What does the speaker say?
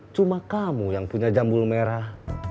cuma kamu yang punya jambul merah